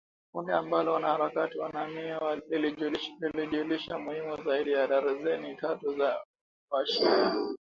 Kundi ambalo wanaharakati wanaamini lilijumuisha zaidi ya darzeni tatu za wa-shia.